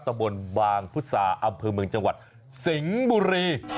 ตะบนบางพุทธศาสตร์อำเภอเมืองจังหวัดสิงบุรี